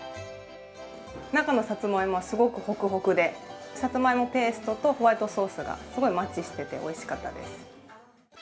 中のさつまいもはすごくほくほくで、さつまいもペーストとホワイトソースがすごいマッチしてて、おいしかったです。